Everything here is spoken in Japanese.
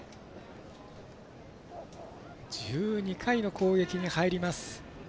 １２回の攻撃に入ります。